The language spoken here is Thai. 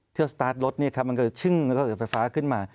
ถ้าเราสตาร์ทรถมันก็จะชึ้งแล้วก็จะไฟฟ้าขึ้นมา